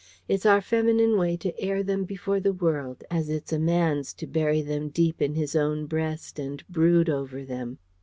It's our feminine way to air them before the world, as it's a man's to bury them deep in his own breast and brood over them.